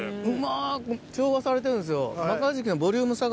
うまく調和されてるんですよ。